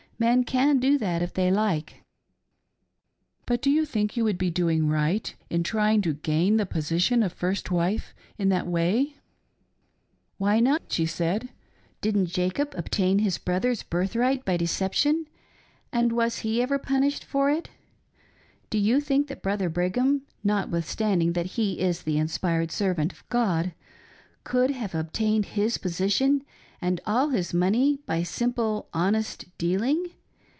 Men can do that if they like." " But do you think you would be doing right in trying to gain the position of first wife in that way .'" "Why not.'" she said, " Didn't Jacob obtain his brother's birthright by deception — and was he ever punished for it ? Do you think that Brother Brigham, notwithstanding that he is the inspired servant of God, could have obtained his position, and all his money, by simple honest dealing